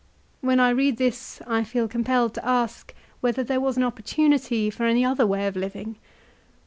When I read this I feel compelled to ask whether there was an opportunity for any other way of living.